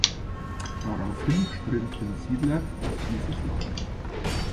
Daraufhin strömten Siedler auf dieses Land.